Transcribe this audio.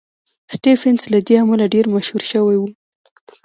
سټېفنس له دې امله ډېر مشهور شوی و.